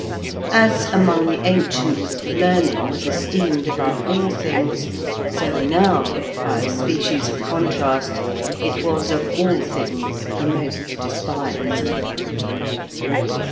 As among the ancients learning was esteemed above all things, so now, by a species of contrast, it was of all things the most despised.